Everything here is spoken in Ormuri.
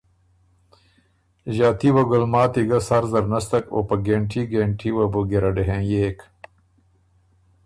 ݫاتي وه ګلماتي ګه سر زر نستک او په ګهېنټي ګهېنټی وه بُو ګیرډ هېنئېک